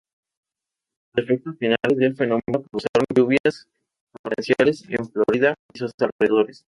Los efectos finales del fenómeno causaron lluvias torrenciales en Florida y sus alrededores.